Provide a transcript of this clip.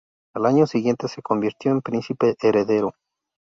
Al año siguiente, se convirtió en príncipe heredero.